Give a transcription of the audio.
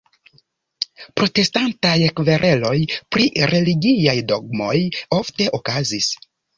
Protestantaj kvereloj pri religiaj dogmoj ofte okazis.